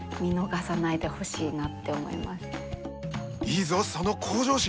いいぞその向上心！